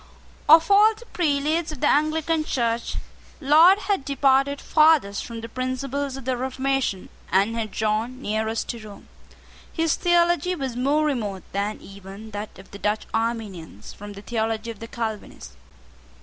Of all the prelates of the Anglican Church, Laud had departed farthest from the principles of the Reformation, and had drawn nearest to Rome. His theology was more remote than even that of the Dutch Arminians from the theology of the Calvinists.